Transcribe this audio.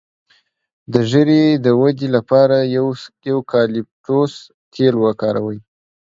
د ږیرې د ودې لپاره د یوکالیپټوس تېل وکاروئ